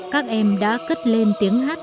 các em đã cất lên tiếng hát